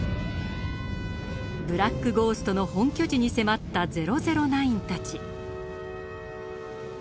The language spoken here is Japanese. ブラック・ゴーストの本拠地に迫った００９たち。